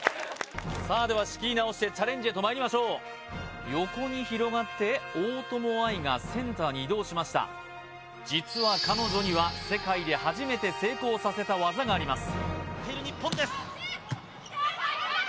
さあでは仕切り直してチャレンジへとまいりましょう横に広がって大友愛がセンターに移動しました実は彼女には世界で初めて成功させた技があります